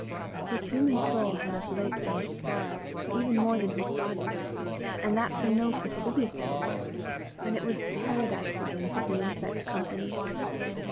His human soul had of late been starved, even more than his body and that from no fastidiousness; and it was paradise again to be in such company.